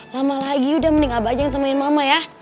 lama lagi udah mending apa aja yang temenin mama ya